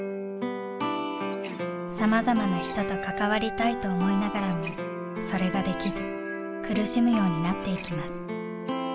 さまざまな人と関わりたいと思いながらもそれができず苦しむようになっていきます。